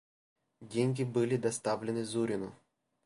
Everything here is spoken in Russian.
Деньги были доставлены Зурину.